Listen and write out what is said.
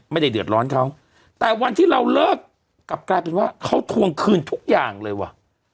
ไม่ได้เดือดร้อนเขาแต่วันที่เราเลิกกลับกลายเป็นว่าเขาทวงคืนทุกอย่างเลยว่ะ